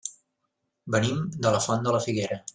Venim de la Font de la Figuera.